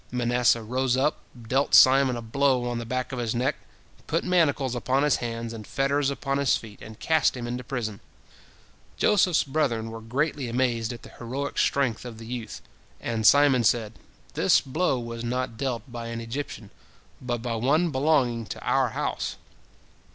Manasseh rose up, dealt Simon a blow on the back of his neck, put manacles upon his hands and fetters upon his feet, and cast him into prison. Joseph's brethren were greatly amazed at the heroic strength of the youth, and Simon said, "This blow was not dealt by an Egyptian, but by one belonging to our house."